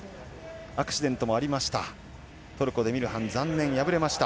アクシデントもありました。